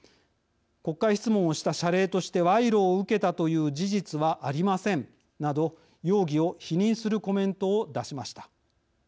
国会質問をした謝礼として賄賂を受けたという事実はありません」など容疑を否認するコメントを出しました。